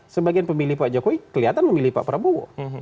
sebagian pemilih pak jokowi kelihatan memilih pak prabowo